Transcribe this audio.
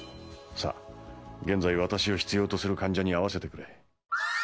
「さあ現在私を必要とする患者に会わせてくれ」